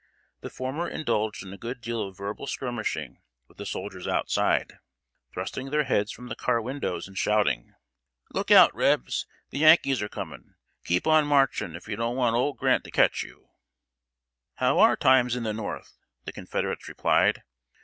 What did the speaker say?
The former indulged in a good deal of verbal skirmishing with the soldiers outside, thrusting their heads from the car windows and shouting: "Look out, Rebs! The Yankees are coming! Keep on marching, if you don't want old Grant to catch you!" "How are times in the North?" the Confederates replied.